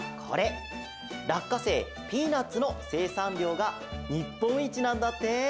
らっかせいピーナツのせいさんりょうがにっぽんいちなんだって！